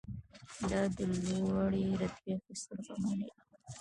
دا د لوړې رتبې اخیستلو په معنی ده.